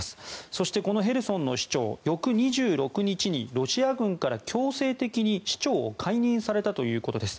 そしてヘルソンの市長翌２６日にロシア軍から強制的に市長を解任されたということです。